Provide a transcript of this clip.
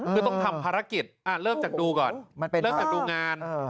คือต้องทำภารกิจอ่ะเริ่มจากดูก่อนมันเป็นเริ่มจากดูงานเออ